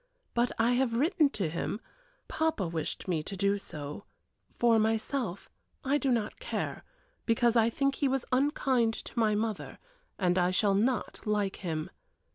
But I have written to him papa wished me to do so; for myself I do not care, because I think he was unkind to my mother, and I shall not like him.